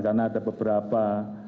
karena ada beberapa